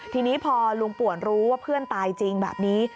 ทีนี้พอลุงป่วนรู้ว่าเพื่อนตายจริงแบบนี้